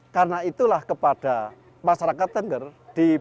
karena itulah kepada masyarakat tengger diberikan